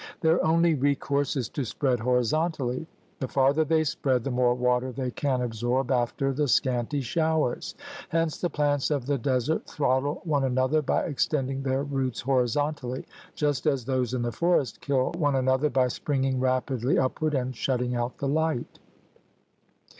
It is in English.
Their only recourse is to spread horizontally. The farther they spread, the more water they can ab sorb after the scanty showers. Hence the plants of the desert throttle one another by extending their roots horizontally, just as those of the forest kill one another by springing rapidly upward and shutting out the light.